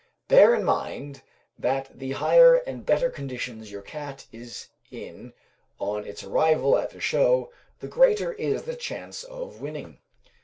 Bear in mind that the higher and better condition your cat is in on its arrival at the show, the greater is the chance of winning.